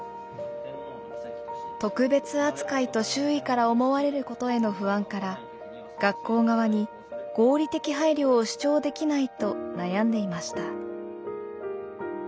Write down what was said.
特別扱いと周囲から思われることへの不安から学校側に合理的配慮を主張できないと悩んでいました。